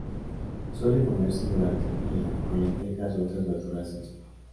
Suele comerse durante el día con lentejas u otras verduras en sopa.